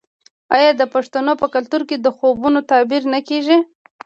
آیا د پښتنو په کلتور کې د خوبونو تعبیر نه کیږي؟